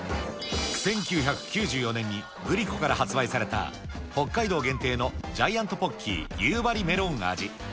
１９９４年にグリコから発売された、北海道限定のジャイアントポッキー夕張メロン味。